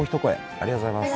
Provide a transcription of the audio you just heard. ありがとうございます。